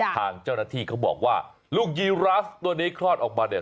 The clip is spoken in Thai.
ทางเจ้าหน้าที่เขาบอกว่าลูกยีราสตัวนี้คลอดออกมาเนี่ย